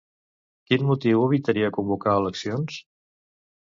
Quin motiu evitaria convocar eleccions?